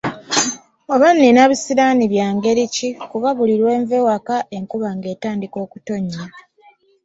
Oba nina bisiraani bya ngeri ki kuba buli lwe nva awaka enkuba nga etandika okutonnya?